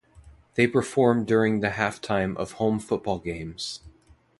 They perform during the halftime of home football games.